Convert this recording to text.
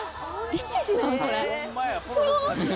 力士なんこれ。